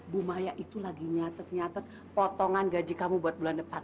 bu maya itu lagi nyatet nyatet potongan gaji kamu buat bulan depan